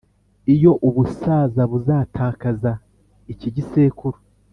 iyo ubusaza buzatakaza iki gisekuru,